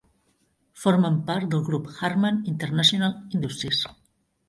Formen part del grup Harman International Industries.